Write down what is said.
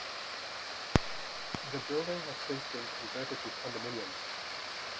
The building has since been converted to condominiums.